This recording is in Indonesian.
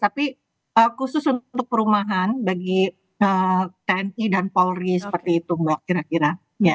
tapi khusus untuk perumahan bagi tni dan polri seperti itu mbak kira kira